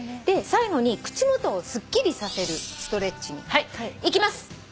で最後に口元をすっきりさせるストレッチにいきます。